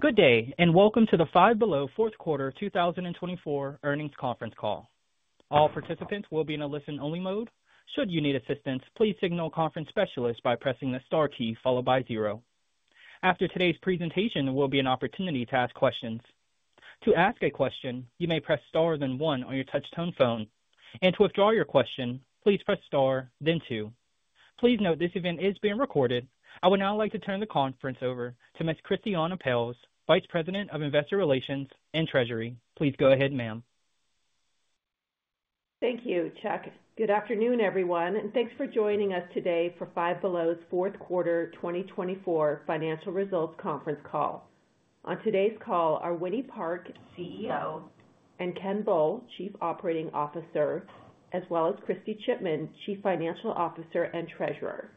Good day, and welcome to the Five Below fourth quarter 2024 earnings conference call. All participants will be in a listen-only mode. Should you need assistance, please signal conference specialist by pressing the star key followed by zero. After today's presentation, there will be an opportunity to ask questions. To ask a question, you may press star then one on your touch-tone phone. To withdraw your question, please press star, then two. Please note this event is being recorded. I would now like to turn the conference over to Ms. Christiane Pelz, Vice President of Investor Relations and Treasury. Please go ahead, ma'am. Thank you, Chuck. Good afternoon, everyone, and thanks for joining us today for Five Below's fourth quarter 2024 financial results conference call. On today's call are Winnie Park, CEO, and Ken Bull, Chief Operating Officer, as well as Kristy Chipman, Chief Financial Officer and Treasurer.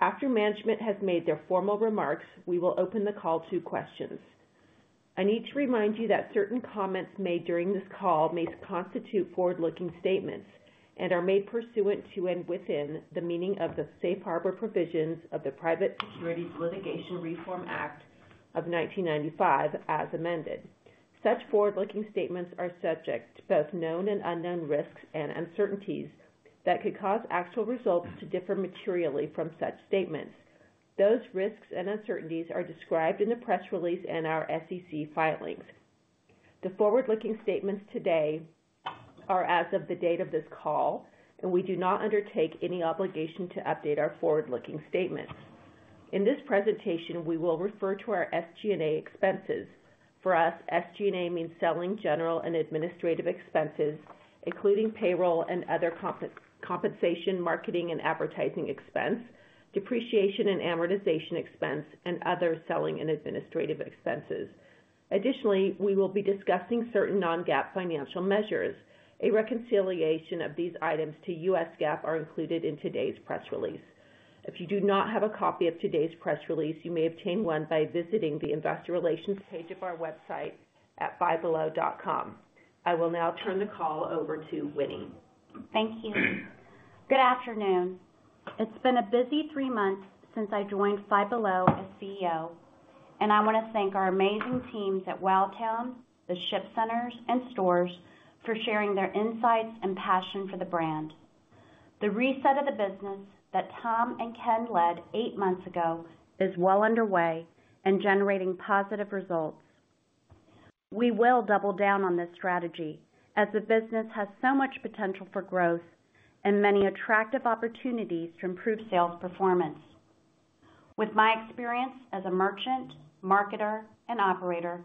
After management has made their formal remarks, we will open the call to questions. I need to remind you that certain comments made during this call may constitute forward-looking statements and are made pursuant to and within the meaning of the safe harbor provisions of the Private Securities Litigation Reform Act of 1995, as amended. Such forward-looking statements are subject to both known and unknown risks and uncertainties that could cause actual results to differ materially from such statements. Those risks and uncertainties are described in the press release and our SEC filings. The forward-looking statements today are as of the date of this call, and we do not undertake any obligation to update our forward-looking statements. In this presentation, we will refer to our SG&A expenses. For us, SG&A means selling, general, and administrative expenses, including payroll and other compensation, marketing and advertising expense, depreciation and amortization expense, and other selling and administrative expenses. Additionally, we will be discussing certain non-GAAP financial measures. A reconciliation of these items to U.S. GAAP is included in today's press release. If you do not have a copy of today's press release, you may obtain one by visiting the investor relations page of our website at fivebelow.com. I will now turn the call over to Winnie. Thank you. Good afternoon. It's been a busy three months since I joined Five Below as CEO, and I want to thank our amazing teams at WowTown, the Ship Centers, and stores for sharing their insights and passion for the brand. The reset of the business that Tom and Ken led eight months ago is well underway and generating positive results. We will double down on this strategy as the business has so much potential for growth and many attractive opportunities to improve sales performance. With my experience as a merchant, marketer, and operator,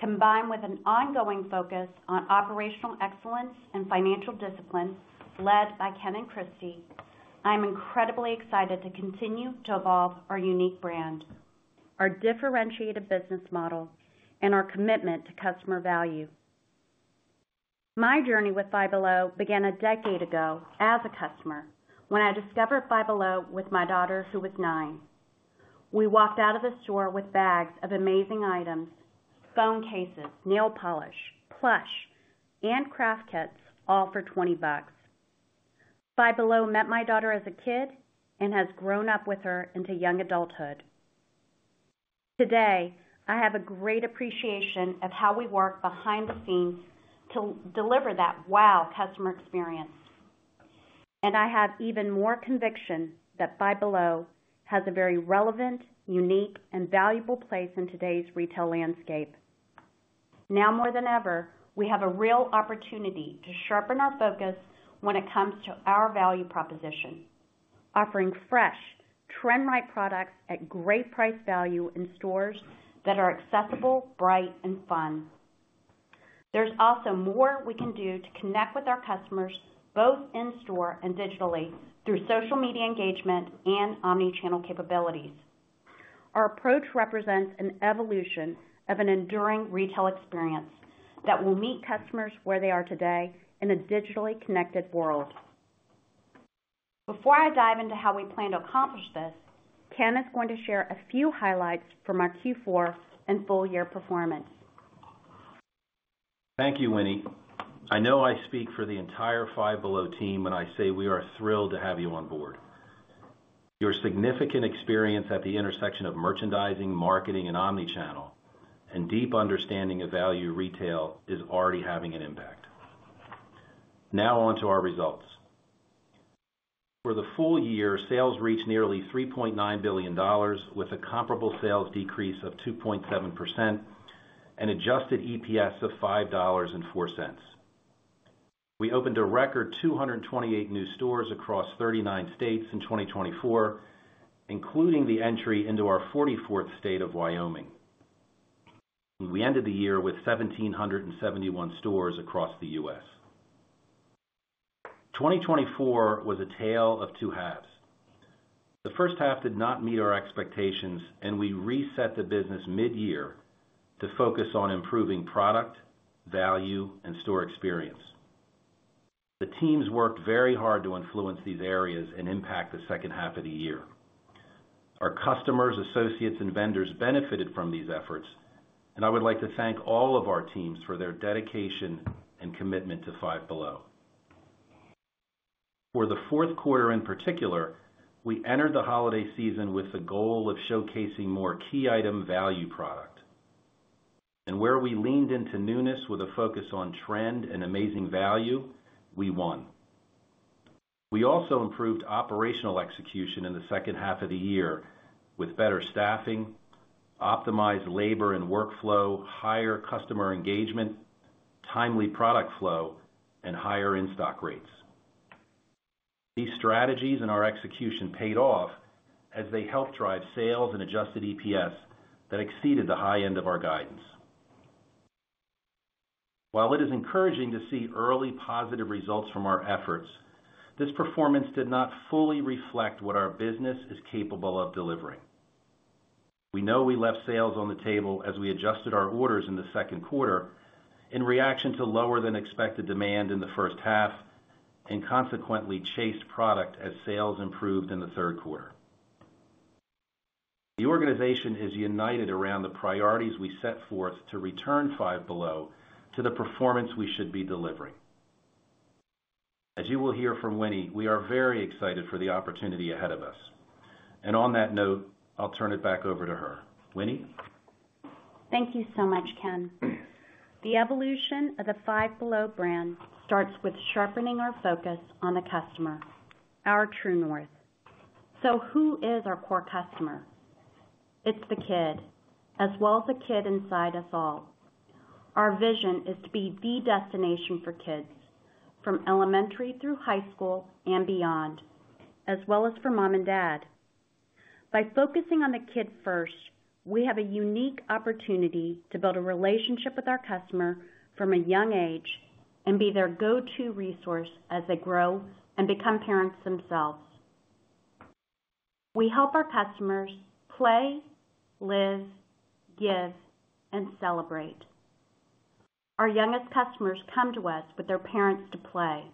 combined with an ongoing focus on operational excellence and financial discipline led by Ken and Kristy, I'm incredibly excited to continue to evolve our unique brand, our differentiated business model, and our commitment to customer value. My journey with Five Below began a decade ago as a customer when I discovered Five Below with my daughter, who was nine. We walked out of the store with bags of amazing items: phone cases, nail polish, plush, and craft kits, all for $20. Five Below met my daughter as a kid and has grown up with her into young adulthood. Today, I have a great appreciation of how we work behind the scenes to deliver that wow customer experience, and I have even more conviction that Five Below has a very relevant, unique, and valuable place in today's retail landscape. Now more than ever, we have a real opportunity to sharpen our focus when it comes to our value proposition, offering fresh, trend-right products at great price value in stores that are accessible, bright, and fun. There's also more we can do to connect with our customers both in store and digitally through social media engagement and omnichannel capabilities. Our approach represents an evolution of an enduring retail experience that will meet customers where they are today in a digitally connected world. Before I dive into how we plan to accomplish this, Ken is going to share a few highlights from our Q4 and full-year performance. Thank you, Winnie. I know I speak for the entire Five Below team when I say we are thrilled to have you on board. Your significant experience at the intersection of merchandising, marketing, and omnichannel, and deep understanding of value retail is already having an impact. Now on to our results. For the full year, sales reached nearly $3.9 billion, with a comparable sales decrease of 2.7% and adjusted EPS of $5.04. We opened a record 228 new stores across 39 states in 2024, including the entry into our 44th state of Wyoming. We ended the year with 1,771 stores across the U.S. 2024 was a tale of two halves. The first half did not meet our expectations, and we reset the business mid-year to focus on improving product, value, and store experience. The teams worked very hard to influence these areas and impact the second half of the year. Our customers, associates, and vendors benefited from these efforts, and I would like to thank all of our teams for their dedication and commitment to Five Below. For the fourth quarter in particular, we entered the holiday season with the goal of showcasing more key item value product. Where we leaned into newness with a focus on trend and amazing value, we won. We also improved operational execution in the second half of the year with better staffing, optimized labor and workflow, higher customer engagement, timely product flow, and higher in-stock rates. These strategies and our execution paid off as they helped drive sales and adjusted EPS that exceeded the high end of our guidance. While it is encouraging to see early positive results from our efforts, this performance did not fully reflect what our business is capable of delivering. We know we left sales on the table as we adjusted our orders in the second quarter in reaction to lower-than-expected demand in the first half and consequently chased product as sales improved in the third quarter. The organization is united around the priorities we set forth to return Five Below to the performance we should be delivering. As you will hear from Winnie, we are very excited for the opportunity ahead of us. On that note, I'll turn it back over to her. Winnie? Thank you so much, Ken. The evolution of the Five Below brand starts with sharpening our focus on the customer, our true north. So who is our core customer? It's the kid, as well as the kid inside us all. Our vision is to be the destination for kids from elementary through high school and beyond, as well as for mom and dad. By focusing on the kid first, we have a unique opportunity to build a relationship with our customer from a young age and be their go-to resource as they grow and become parents themselves. We help our customers play, live, give, and celebrate. Our youngest customers come to us with their parents to play,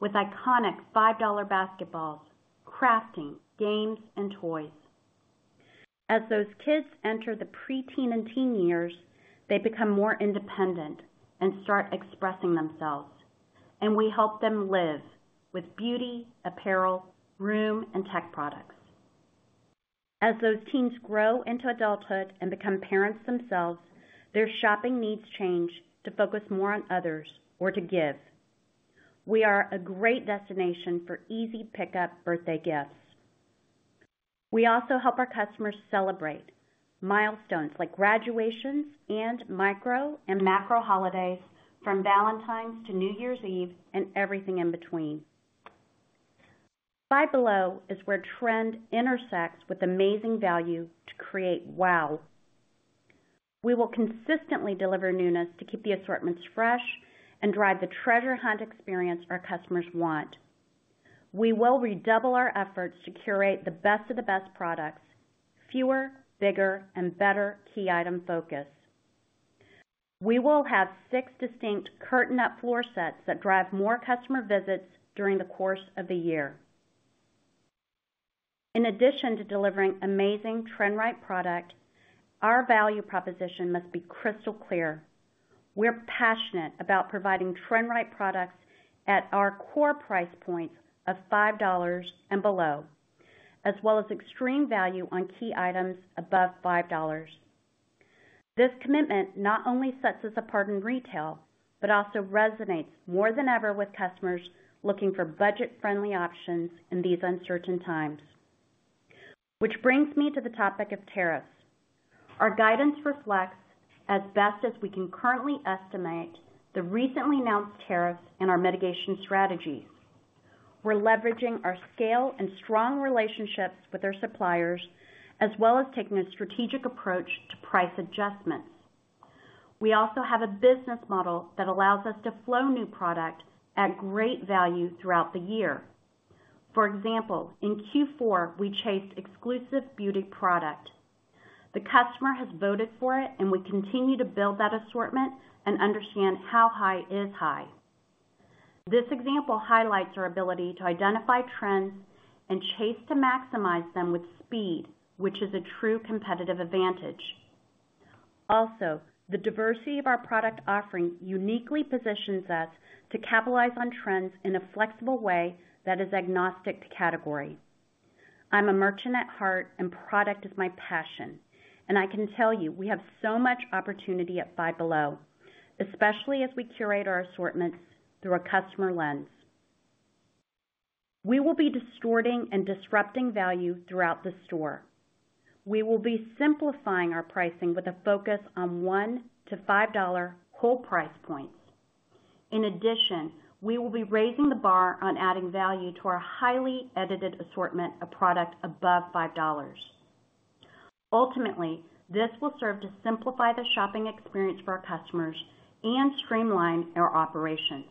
with iconic $5 basketballs, crafting, games, and toys. As those kids enter the preteen and teen years, they become more independent and start expressing themselves, and we help them live with beauty, apparel, room, and tech products. As those teens grow into adulthood and become parents themselves, their shopping needs change to focus more on others or to give. We are a great destination for easy pickup birthday gifts. We also help our customers celebrate milestones like graduations and micro and macro holidays, from Valentine's to New Year's Eve and everything in between. Five Below is where trend intersects with amazing value to create wow. We will consistently deliver newness to keep the assortments fresh and drive the treasure hunt experience our customers want. We will redouble our efforts to curate the best of the best products: fewer, bigger, and better key item focus. We will have six distinct curtain-up floor sets that drive more customer visits during the course of the year. In addition to delivering amazing trend-right product, our value proposition must be crystal clear. We're passionate about providing trend-right products at our core price points of $5 and below, as well as extreme value on key items above $5. This commitment not only sets us apart in retail, but also resonates more than ever with customers looking for budget-friendly options in these uncertain times. Which brings me to the topic of tariffs. Our guidance reflects, as best as we can currently estimate, the recently announced tariffs and our mitigation strategies. We're leveraging our scale and strong relationships with our suppliers, as well as taking a strategic approach to price adjustments. We also have a business model that allows us to flow new product at great value throughout the year. For example, in Q4, we chased exclusive beauty product. The customer has voted for it, and we continue to build that assortment and understand how high is high. This example highlights our ability to identify trends and chase to maximize them with speed, which is a true competitive advantage. Also, the diversity of our product offering uniquely positions us to capitalize on trends in a flexible way that is agnostic to category. I'm a merchant at heart, and product is my passion. I can tell you we have so much opportunity at Five Below, especially as we curate our assortments through a customer lens. We will be distorting and disrupting value throughout the store. We will be simplifying our pricing with a focus on $1-$5 whole price points. In addition, we will be raising the bar on adding value to our highly edited assortment of product above $5. Ultimately, this will serve to simplify the shopping experience for our customers and streamline our operations.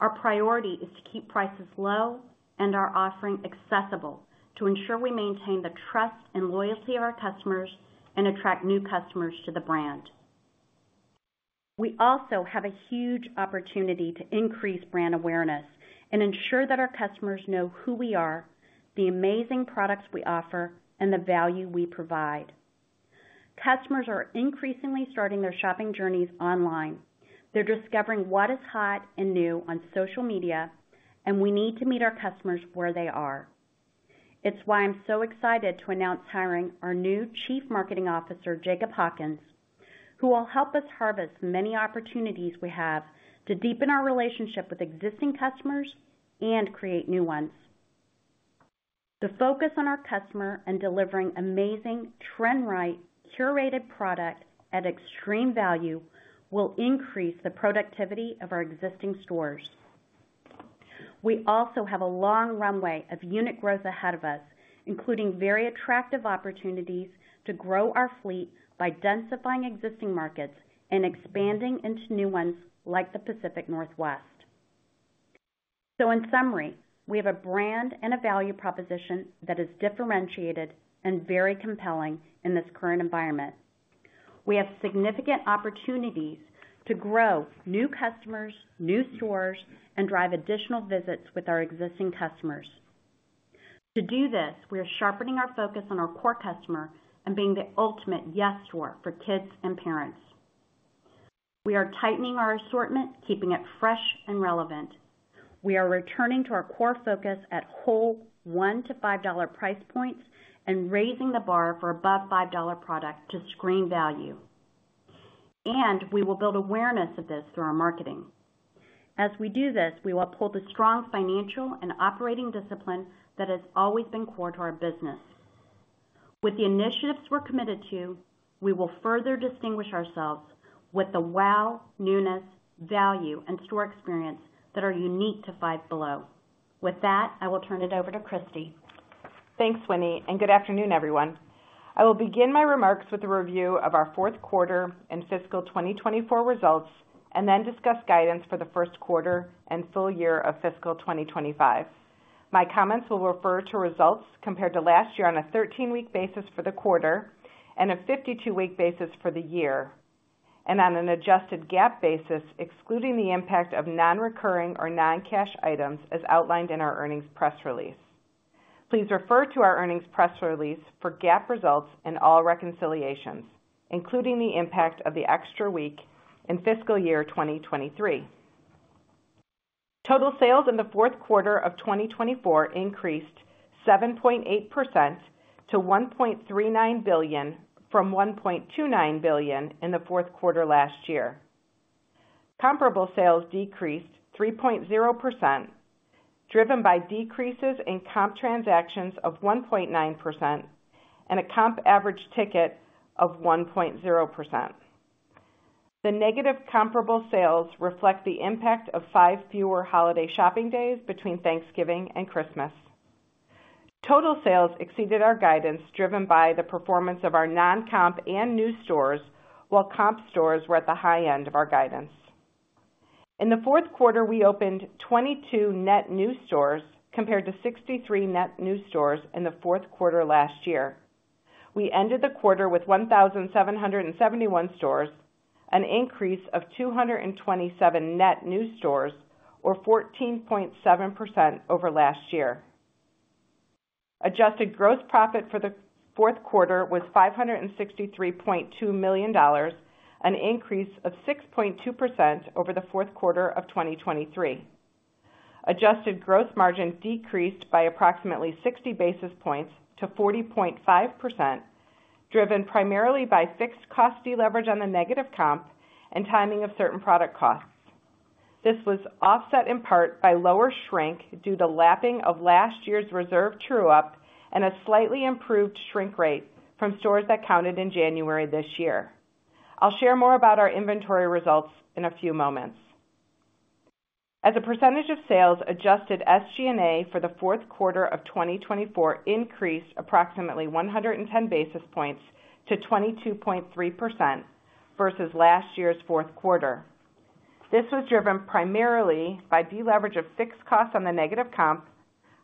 Our priority is to keep prices low and our offering accessible to ensure we maintain the trust and loyalty of our customers and attract new customers to the brand. We also have a huge opportunity to increase brand awareness and ensure that our customers know who we are, the amazing products we offer, and the value we provide. Customers are increasingly starting their shopping journeys online. They're discovering what is hot and new on social media, and we need to meet our customers where they are. It's why I'm so excited to announce hiring our new Chief Marketing Officer, Jacob Hawkins, who will help us harvest many opportunities we have to deepen our relationship with existing customers and create new ones. The focus on our customer and delivering amazing trend-right curated product at extreme value will increase the productivity of our existing stores. We also have a long runway of unit growth ahead of us, including very attractive opportunities to grow our fleet by densifying existing markets and expanding into new ones like the Pacific Northwest. In summary, we have a brand and a value proposition that is differentiated and very compelling in this current environment. We have significant opportunities to grow new customers, new stores, and drive additional visits with our existing customers. To do this, we are sharpening our focus on our core customer and being the ultimate Yes Store for kids and parents. We are tightening our assortment, keeping it fresh and relevant. We are returning to our core focus at whole $1-$5 price points and raising the bar for above $5 product to screen value. We will build awareness of this through our marketing. As we do this, we will pull the strong financial and operating discipline that has always been core to our business. With the initiatives we're committed to, we will further distinguish ourselves with the wow, newness, value, and store experience that are unique to Five Below. With that, I will turn it over to Kristy. Thanks, Winnie, and good afternoon, everyone. I will begin my remarks with a review of our fourth quarter and fiscal 2024 results and then discuss guidance for the first quarter and full year of fiscal 2025. My comments will refer to results compared to last year on a 13-week basis for the quarter and a 52-week basis for the year, and on an adjusted GAAP basis, excluding the impact of non-recurring or non-cash items as outlined in our earnings press release. Please refer to our earnings press release for GAAP results and all reconciliations, including the impact of the extra week in fiscal year 2023. Total sales in the fourth quarter of 2024 increased 7.8% to $1.39 billion from $1.29 billion in the fourth quarter last year. Comparable sales decreased 3.0%, driven by decreases in comp transactions of 1.9% and a comp average ticket of 1.0%. The negative comparable sales reflect the impact of five fewer holiday shopping days between Thanksgiving and Christmas. Total sales exceeded our guidance, driven by the performance of our non-comp and new stores, while comp stores were at the high end of our guidance. In the fourth quarter, we opened 22 net new stores compared to 63 net new stores in the fourth quarter last year. We ended the quarter with 1,771 stores, an increase of 227 net new stores, or 14.7% over last year. Adjusted gross profit for the fourth quarter was $563.2 million, an increase of 6.2% over the fourth quarter of 2023. Adjusted gross margin decreased by approximately 60 basis points to 40.5%, driven primarily by fixed cost deleverage on the negative comp and timing of certain product costs. This was offset in part by lower shrink due to lapping of last year's reserve true-up and a slightly improved shrink rate from stores that counted in January this year. I'll share more about our inventory results in a few moments. As a percentage of sales, adjusted SG&A for the fourth quarter of 2024 increased approximately 110 basis points to 22.3% versus last year's fourth quarter. This was driven primarily by deleverage of fixed costs on the negative comp,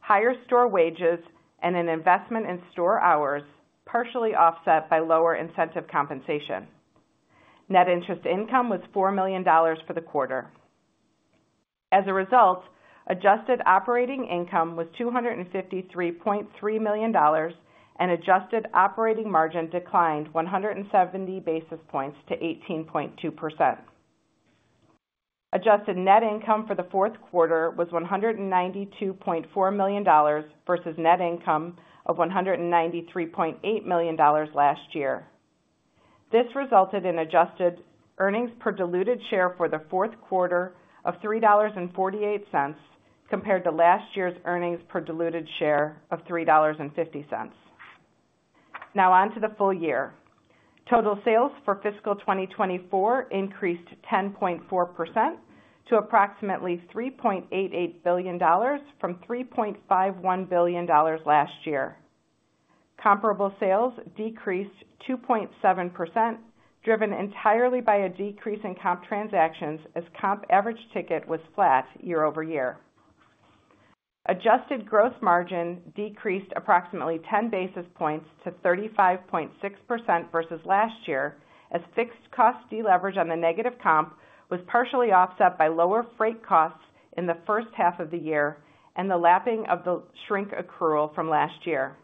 higher store wages, and an investment in store hours, partially offset by lower incentive compensation. Net interest income was $4 million for the quarter. As a result, adjusted operating income was $253.3 million, and adjusted operating margin declined 170 basis points to 18.2%. Adjusted net income for the fourth quarter was $192.4 million versus net income of $193.8 million last year. This resulted in adjusted earnings per diluted share for the fourth quarter of $3.48 compared to last year's earnings per diluted share of $3.50. Now on to the full year. Total sales for fiscal 2024 increased 10.4% to approximately $3.88 billion from $3.51 billion last year. Comparable sales decreased 2.7%, driven entirely by a decrease in comp transactions as comp average ticket was flat year over year. Adjusted gross margin decreased approximately 10 basis points to 35.6% versus last year as fixed cost deleverage on the negative comp was partially offset by lower freight costs in the first half of the year and the lapping of the shrink accrual from last year.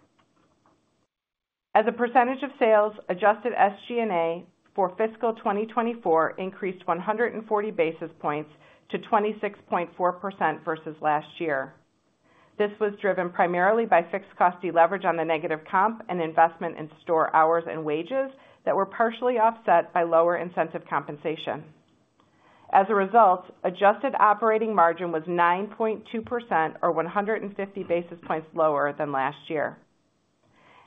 As a percentage of sales, adjusted SG&A for fiscal 2024 increased 140 basis points to 26.4% versus last year. This was driven primarily by fixed cost deleverage on the negative comp and investment in store hours and wages that were partially offset by lower incentive compensation. As a result, adjusted operating margin was 9.2%, or 150 basis points lower than last year.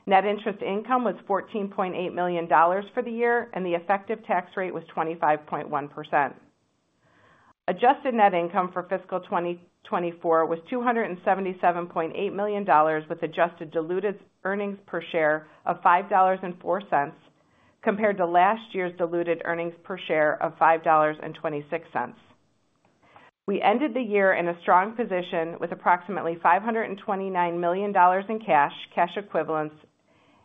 Net interest income was $14.8 million for the year, and the effective tax rate was 25.1%. Adjusted net income for fiscal 2024 was $277.8 million with adjusted diluted earnings per share of $5.04 compared to last year's diluted earnings per share of $5.26. We ended the year in a strong position with approximately $529 million in cash, cash equivalents,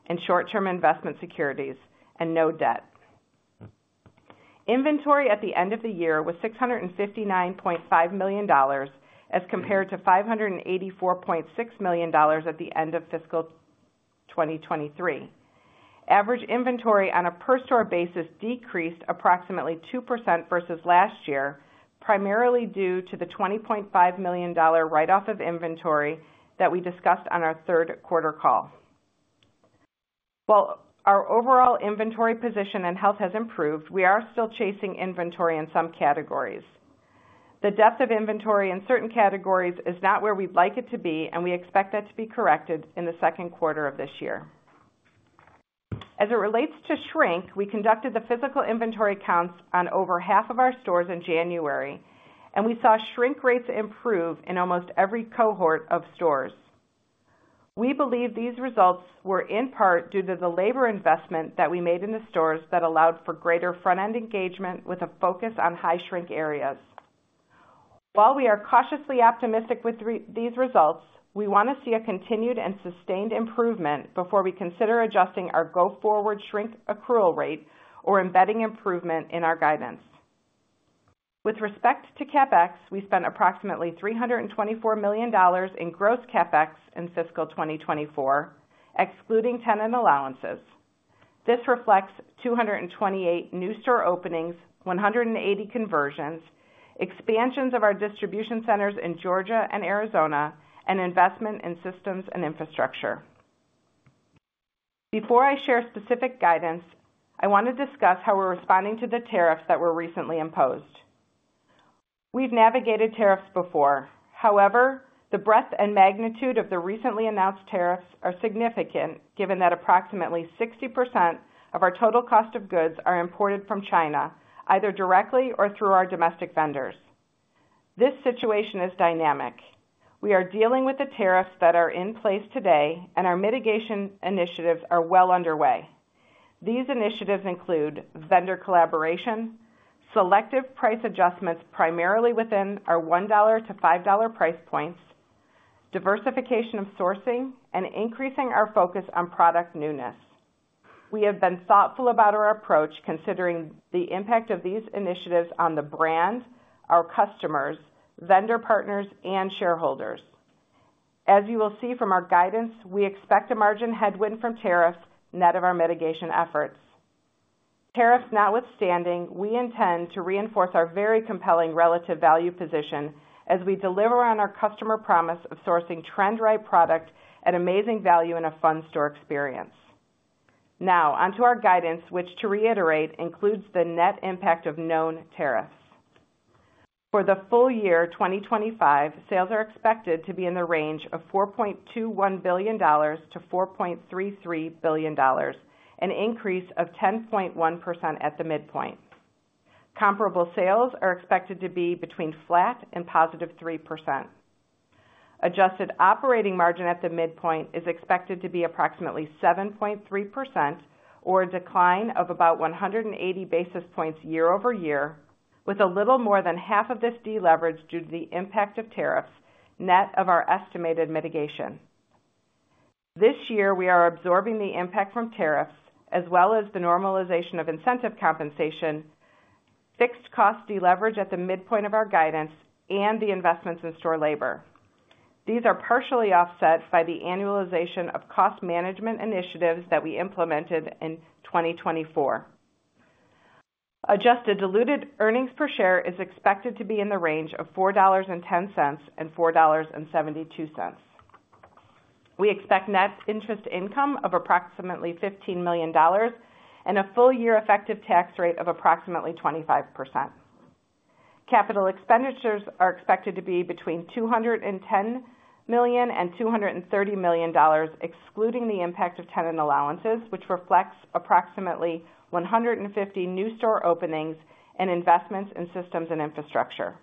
and short-term investment securities, and no debt. Inventory at the end of the year was $659.5 million as compared to $584.6 million at the end of fiscal 2023. Average inventory on a per-store basis decreased approximately 2% versus last year, primarily due to the $20.5 million write-off of inventory that we discussed on our third quarter call. While our overall inventory position and health has improved, we are still chasing inventory in some categories. The depth of inventory in certain categories is not where we'd like it to be, and we expect that to be corrected in the second quarter of this year. As it relates to shrink, we conducted the physical inventory counts on over half of our stores in January, and we saw shrink rates improve in almost every cohort of stores. We believe these results were in part due to the labor investment that we made in the stores that allowed for greater front-end engagement with a focus on high shrink areas. While we are cautiously optimistic with these results, we want to see a continued and sustained improvement before we consider adjusting our go forward shrink accrual rate or embedding improvement in our guidance. With respect to CapEx, we spent approximately $324 million in gross CapEx in fiscal 2024, excluding tenant allowances. This reflects 228 new store openings, 180 conversions, expansions of our distribution centers in Georgia and Arizona, and investment in systems and infrastructure. Before I share specific guidance, I want to discuss how we're responding to the tariffs that were recently imposed. We've navigated tariffs before. However, the breadth and magnitude of the recently announced tariffs are significant, given that approximately 60% of our total cost of goods are imported from China, either directly or through our domestic vendors. This situation is dynamic. We are dealing with the tariffs that are in place today, and our mitigation initiatives are well underway. These initiatives include vendor collaboration, selective price adjustments primarily within our $1-$5 price points, diversification of sourcing, and increasing our focus on product newness. We have been thoughtful about our approach, considering the impact of these initiatives on the brand, our customers, vendor partners, and shareholders. As you will see from our guidance, we expect a margin headwind from tariffs net of our mitigation efforts. Tariffs notwithstanding, we intend to reinforce our very compelling relative value position as we deliver on our customer promise of sourcing trend-right product at amazing value in a fun store experience. Now on to our guidance, which, to reiterate, includes the net impact of known tariffs. For the full year 2025, sales are expected to be in the range of $4.21 billion-$4.33 billion, an increase of 10.1% at the midpoint. Comparable sales are expected to be between flat and positive 3%. Adjusted operating margin at the midpoint is expected to be approximately 7.3%, or a decline of about 180 basis points year-over-year, with a little more than half of this deleveraged due to the impact of tariffs net of our estimated mitigation. This year, we are absorbing the impact from tariffs as well as the normalization of incentive compensation, fixed cost deleverage at the midpoint of our guidance, and the investments in store labor. These are partially offset by the annualization of cost management initiatives that we implemented in 2024. Adjusted diluted earnings per share is expected to be in the range of $4.10-$4.72. We expect net interest income of approximately $15 million and a full year effective tax rate of approximately 25%. Capital expenditures are expected to be between $210 million and $230 million, excluding the impact of tenant allowances, which reflects approximately 150 new store openings and investments in systems and infrastructure.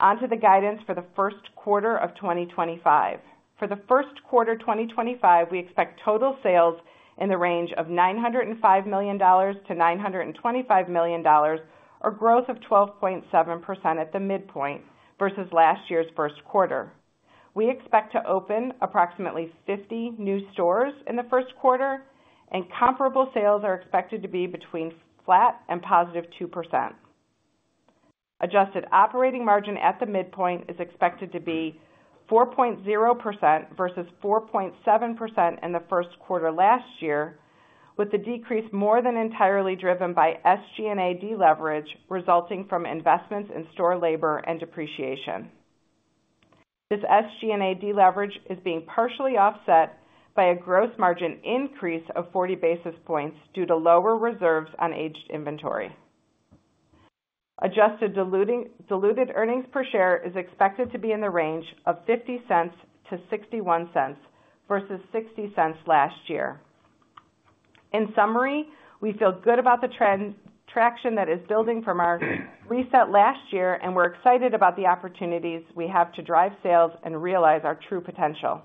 On to the guidance for the first quarter of 2025. For the first quarter 2025, we expect total sales in the range of $905 million-$925 million, or growth of 12.7% at the midpoint versus last year's first quarter. We expect to open approximately 50 new stores in the first quarter, and comparable sales are expected to be between flat and positive 2%. Adjusted operating margin at the midpoint is expected to be 4.0% versus 4.7% in the first quarter last year, with the decrease more than entirely driven by SG&A deleverage resulting from investments in store labor and depreciation. This SG&A deleverage is being partially offset by a gross margin increase of 40 basis points due to lower reserves on aged inventory. Adjusted diluted earnings per share is expected to be in the range of $0.50-$0.61 versus $0.60 last year. In summary, we feel good about the traction that is building from our reset last year, and we're excited about the opportunities we have to drive sales and realize our true potential.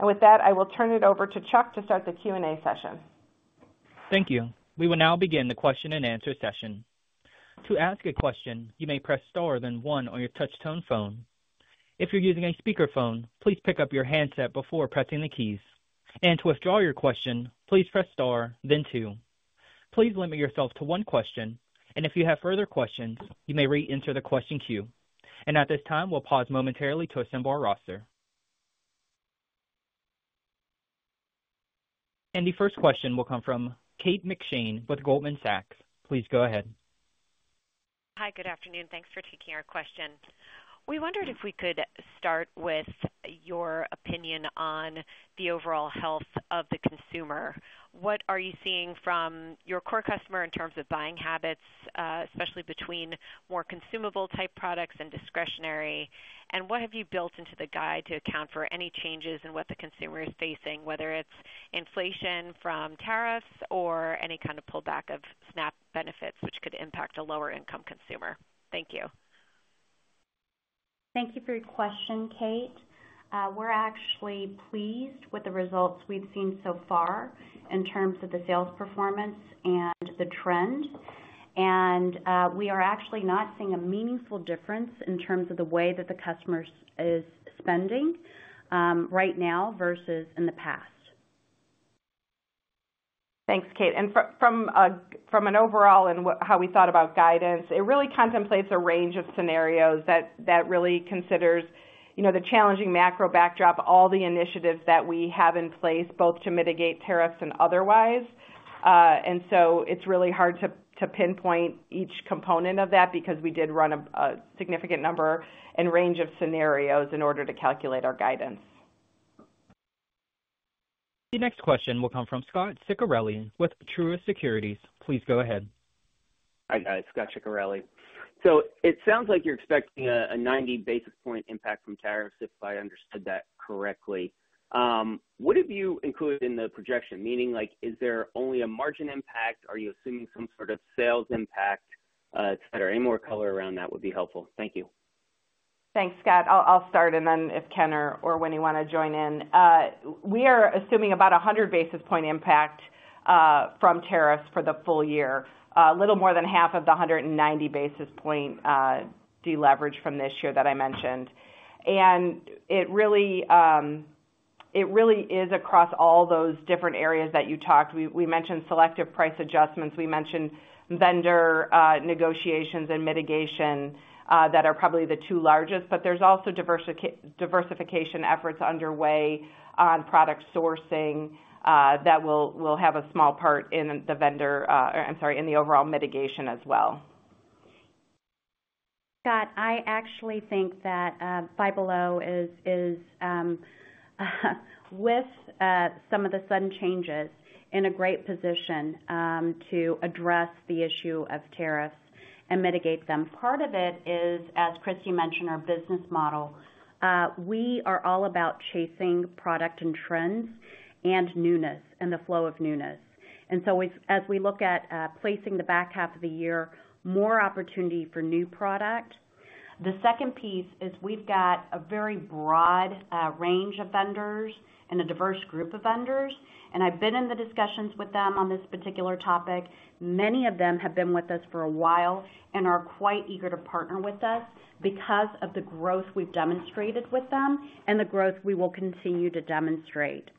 I will turn it over to Chuck to start the Q&A session. Thank you. We will now begin the question and answer session. To ask a question, you may press star then one on your touch-tone phone. If you're using a speakerphone, please pick up your handset before pressing the keys. To withdraw your question, please press star, then two. Please limit yourself to one question, and if you have further questions, you may re-enter the question queue. At this time, we'll pause momentarily to assemble our roster. The first question will come from Kate McShane with Goldman Sachs. Please go ahead. Hi, good afternoon. Thanks for taking our question. We wondered if we could start with your opinion on the overall health of the consumer. What are you seeing from your core customer in terms of buying habits, especially between more consumable-type products and discretionary? What have you built into the guide to account for any changes in what the consumer is facing, whether it is inflation from tariffs or any kind of pullback of SNAP benefits, which could impact a lower-income consumer? Thank you. Thank you for your question, Kate. We are actually pleased with the results we have seen so far in terms of the sales performance and the trend. We are actually not seeing a meaningful difference in terms of the way that the customer is spending right now versus in the past. Thanks, Kate. From an overall and how we thought about guidance, it really contemplates a range of scenarios that really considers the challenging macro backdrop, all the initiatives that we have in place, both to mitigate tariffs and otherwise. It is really hard to pinpoint each component of that because we did run a significant number and range of scenarios in order to calculate our guidance. The next question will come from Scot Ciccarelli with Truist Securities. Please go ahead. Hi, guys. Scot Ciccarelli. It sounds like you are expecting a 90 basis point impact from tariffs, if I understood that correctly. What have you included in the projection? Meaning, is there only a margin impact? Are you assuming some sort of sales impact? Is there any more color around that? Would be helpful. Thank you. Thanks, Scot. I will start, and then if Ken or Winnie want to join in. We are assuming about 100 basis point impact from tariffs for the full year, a little more than half of the 190 basis point deleverage from this year that I mentioned. It really is across all those different areas that you talked. We mentioned selective price adjustments. We mentioned vendor negotiations and mitigation that are probably the two largest, but there is also diversification efforts underway on product sourcing that will have a small part in the vendor, I am sorry, in the overall mitigation as well. Scott, I actually think that Five Below is, with some of the sudden changes, in a great position to address the issue of tariffs and mitigate them. Part of it is, as Kristy mentioned, our business model. We are all about chasing product and trends and newness and the flow of newness. As we look at placing the back half of the year, more opportunity for new product. The second piece is we have got a very broad range of vendors and a diverse group of vendors. I have been in the discussions with them on this particular topic. Many of them have been with us for a while and are quite eager to partner with us because of the growth we have demonstrated with them and the growth we will continue to demonstrate.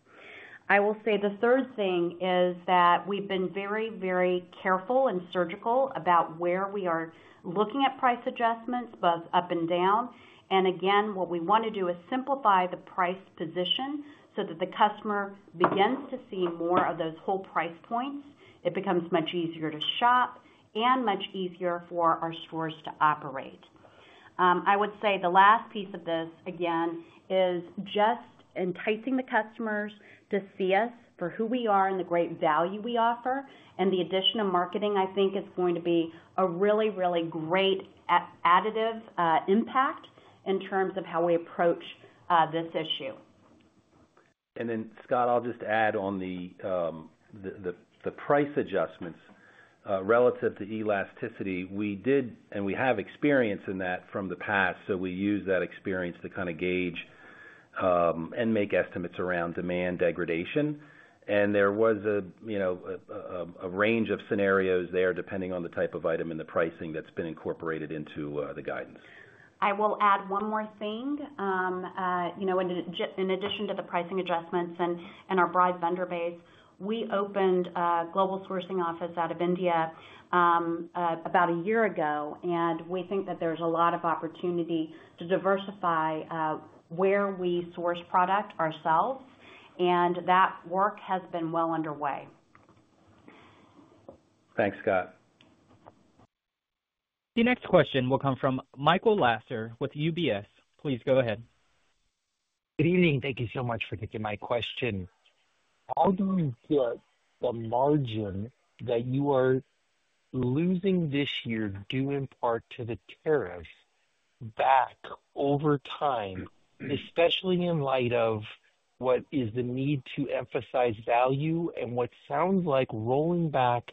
I will say the third thing is that we have been very, very careful and surgical about where we are looking at price adjustments, both up and down. Again, what we want to do is simplify the price position so that the customer begins to see more of those whole price points. It becomes much easier to shop and much easier for our stores to operate. I would say the last piece of this, again, is just enticing the customers to see us for who we are and the great value we offer. The addition of marketing, I think, is going to be a really, really great additive impact in terms of how we approach this issue. Scott, I'll just add on the price adjustments relative to elasticity. We did and we have experience in that from the past, so we use that experience to kind of gauge and make estimates around demand degradation. There was a range of scenarios there depending on the type of item and the pricing that's been incorporated into the guidance. I will add one more thing. In addition to the pricing adjustments and our broad vendor base, we opened a global sourcing office out of India about a year ago, and we think that there's a lot of opportunity to diversify where we source product ourselves. That work has been well underway. Thanks, Scott. The next question will come from Michael Lasser with UBS. Please go ahead. Good evening. Thank you so much for taking my question. How do you feel the margin that you are losing this year due in part to the tariffs back over time, especially in light of what is the need to emphasize value and what sounds like rolling back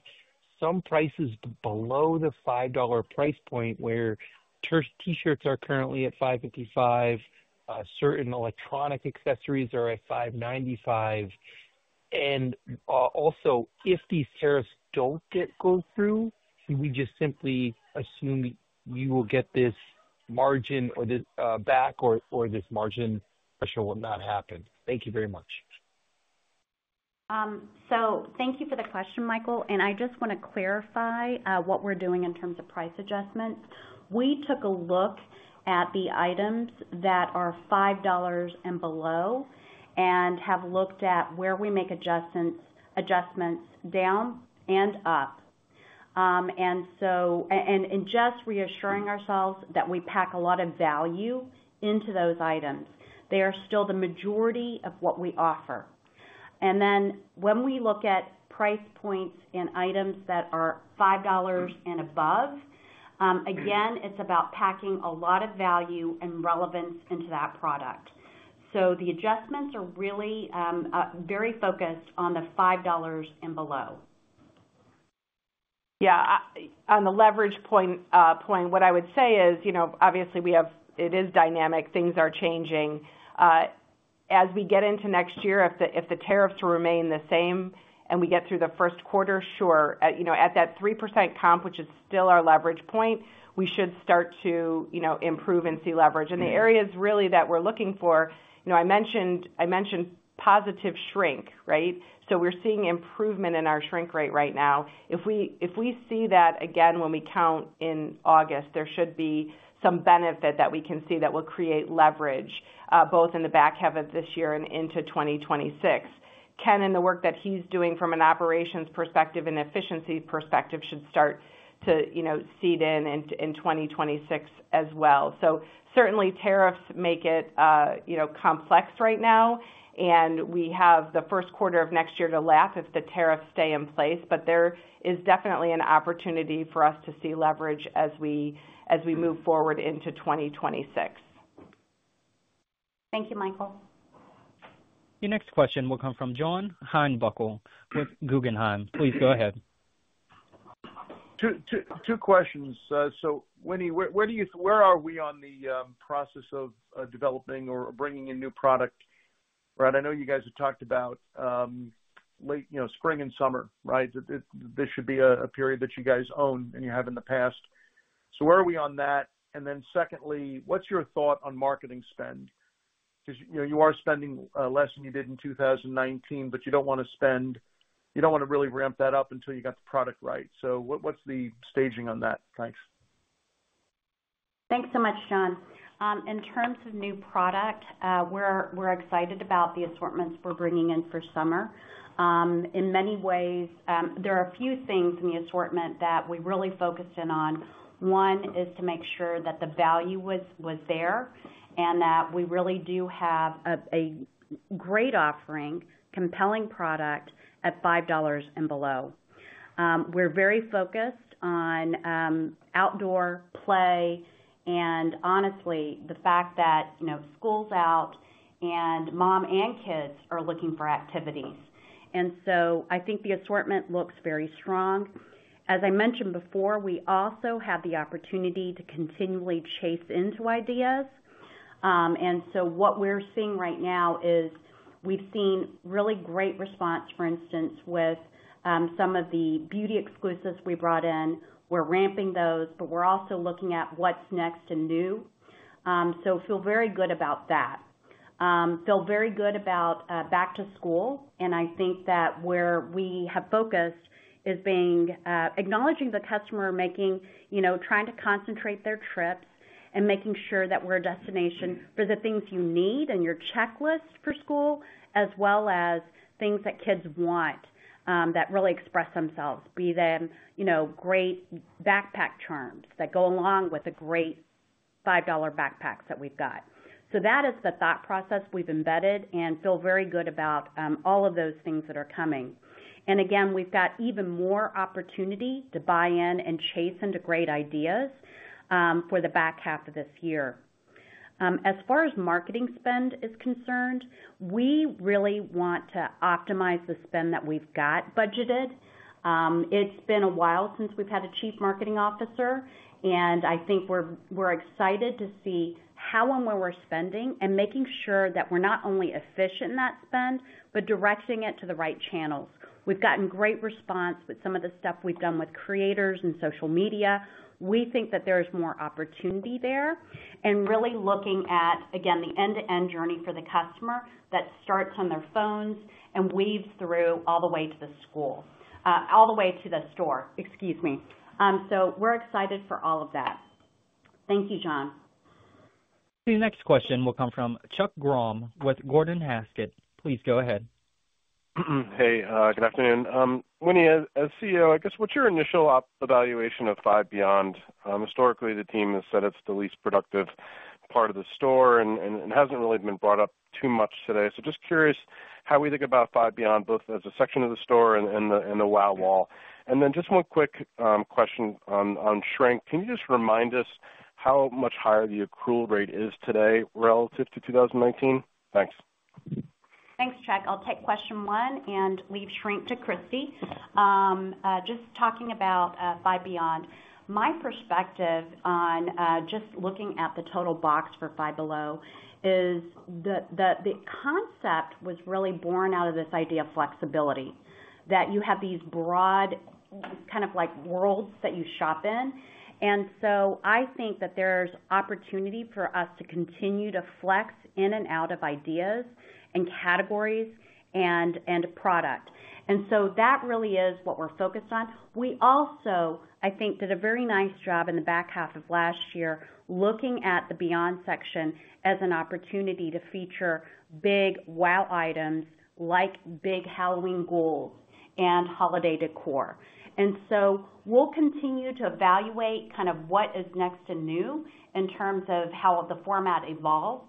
some prices below the $5 price point where T-shirts are currently at $5.55, certain electronic accessories are at $5.95? Also, if these tariffs do not go through, do we just simply assume you will get this margin back or this margin pressure will not happen? Thank you very much. Thank you for the question, Michael. I just want to clarify what we are doing in terms of price adjustments. We took a look at the items that are $5 and below and have looked at where we make adjustments down and up. Just reassuring ourselves that we pack a lot of value into those items. They are still the majority of what we offer. When we look at price points in items that are $5 and above, again, it is about packing a lot of value and relevance into that product. The adjustments are really very focused on the $5 and below. Yeah. On the leverage point, what I would say is, obviously, it is dynamic. Things are changing. As we get into next year, if the tariffs remain the same and we get through the first quarter, sure, at that 3% comp, which is still our leverage point, we should start to improve and see leverage. The areas really that we're looking for, I mentioned positive shrink, right? We're seeing improvement in our shrink rate right now. If we see that again when we count in August, there should be some benefit that we can see that will create leverage both in the back half of this year and into 2026. Ken, in the work that he's doing from an operations perspective and efficiency perspective, should start to seed in in 2026 as well. Tariffs make it complex right now, and we have the first quarter of next year to laugh if the tariffs stay in place, but there is definitely an opportunity for us to see leverage as we move forward into 2026. Thank you, Michael. The next question will come from John Heinbockel with Guggenheim. Please go ahead. Two questions. Winnie, where are we on the process of developing or bringing in new product? Right? I know you guys have talked about spring and summer, right? This should be a period that you guys own and you have in the past. Where are we on that? And then secondly, what's your thought on marketing spend? Because you are spending less than you did in 2019, but you do not want to spend, you do not want to really ramp that up until you got the product right. What is the staging on that? Thanks. Thanks so much, John. In terms of new product, we are excited about the assortments we are bringing in for summer. In many ways, there are a few things in the assortment that we really focused in on. One is to make sure that the value was there and that we really do have a great offering, compelling product at $5 and below. We're very focused on outdoor play and, honestly, the fact that school's out and mom and kids are looking for activities. I think the assortment looks very strong. As I mentioned before, we also have the opportunity to continually chase into ideas. What we're seeing right now is we've seen really great response, for instance, with some of the beauty exclusives we brought in. We're ramping those, but we're also looking at what's next and new. Feel very good about that. Feel very good about back to school. I think that where we have focused is being acknowledging the customer, trying to concentrate their trips and making sure that we're a destination for the things you need and your checklist for school, as well as things that kids want that really express themselves, be them great backpack charms that go along with the great $5 backpacks that we've got. That is the thought process we've embedded and feel very good about all of those things that are coming. Again, we've got even more opportunity to buy in and chase into great ideas for the back half of this year. As far as marketing spend is concerned, we really want to optimize the spend that we've got budgeted. It's been a while since we've had a Chief Marketing Officer, and I think we're excited to see how and where we're spending and making sure that we're not only efficient in that spend, but directing it to the right channels. We've gotten great response with some of the stuff we've done with creators and social media. We think that there's more opportunity there and really looking at, again, the end-to-end journey for the customer that starts on their phones and weaves through all the way to the school, all the way to the store. Excuse me. We're excited for all of that. Thank you, John. The next question will come from Chuck Grom with Gordon Haskett. Please go ahead. Hey, good afternoon. Winnie, as CEO, I guess what's your initial evaluation of Five Beyond? Historically, the team has said it's the least productive part of the store and hasn't really been brought up too much today. Just curious how we think about Five Beyond, both as a section of the store and the Wow Wall. One quick question on shrink. Can you just remind us how much higher the accrual rate is today relative to 2019? Thanks. Thanks, Chuck. I'll take question one and leave shrink to Christy. Just talking about Five Beyond, my perspective on just looking at the total box for Five Below is that the concept was really born out of this idea of flexibility, that you have these broad kind of worlds that you shop in. I think that there's opportunity for us to continue to flex in and out of ideas and categories and product. That really is what we're focused on. We also, I think, did a very nice job in the back half of last year looking at the Beyond section as an opportunity to feature big wow items like big Halloween ghouls and holiday decor. We will continue to evaluate kind of what is next and new in terms of how the format evolves.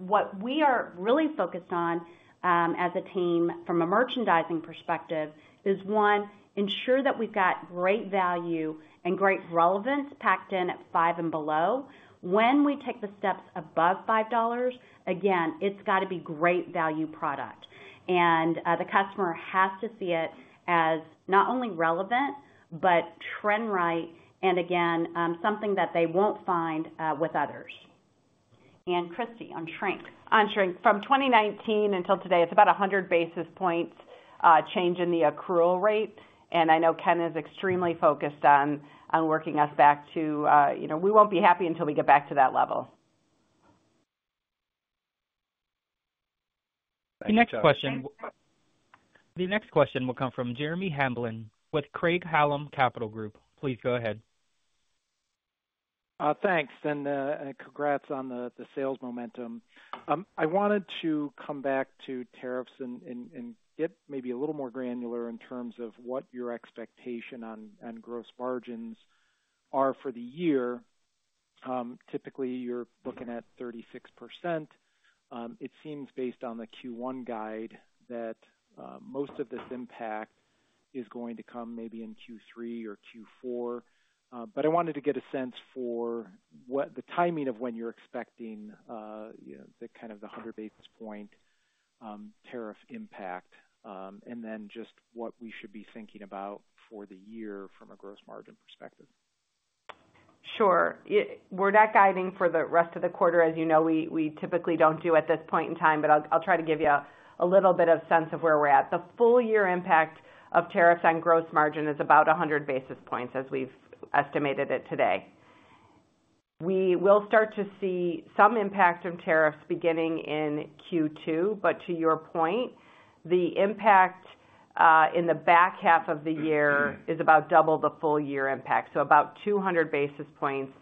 What we are really focused on as a team from a merchandising perspective is, one, ensure that we've got great value and great relevance packed in at five and below. When we take the steps above $5, again, it's got to be great value product. The customer has to see it as not only relevant, but trend right, and again, something that they won't find with others. Kristy, on shrink. On shrink. From 2019 until today, it's about 100 basis points change in the accrual rate. I know Ken is extremely focused on working us back to we won't be happy until we get back to that level. The next question will come from Jeremy Hamblin with Craig-Hallum Capital Group. Please go ahead. Thanks. Congrats on the sales momentum. I wanted to come back to tariffs and get maybe a little more granular in terms of what your expectation on gross margins are for the year. Typically, you're looking at 36%. It seems based on the Q1 guide that most of this impact is going to come maybe in Q3 or Q4. I wanted to get a sense for the timing of when you're expecting the kind of the 100 basis point tariff impact and then just what we should be thinking about for the year from a gross margin perspective. Sure. We're not guiding for the rest of the quarter, as you know. We typically don't do at this point in time, but I'll try to give you a little bit of sense of where we're at. The full year impact of tariffs on gross margin is about 100 basis points as we've estimated it today. We will start to see some impact of tariffs beginning in Q2, but to your point, the impact in the back half of the year is about double the full year impact. About 200 basis points